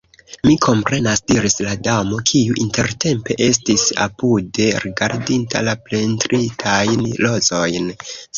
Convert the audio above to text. "Mi komprenas," diris la Damo, kiu intertempe estis apude rigardinta la pentritajn rozojn.